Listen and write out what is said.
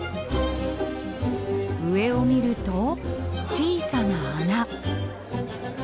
上を見ると小さな穴。